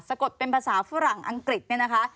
สะกดเป็นภาษาฝรั่งอังกฤษนะคะ